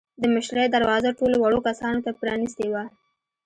د مشرۍ دروازه ټولو وړو کسانو ته پرانیستې وه.